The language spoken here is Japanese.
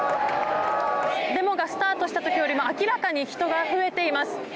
デモがスタートした時よりも明らかに人が増えています。